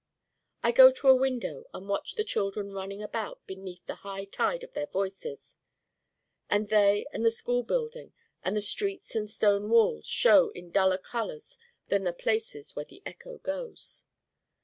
I go to a window and watch the children running about beneath the high tide of their Voices. And they and the school building and the streets and stone walls show in duller colors than the Places where their Echo goes.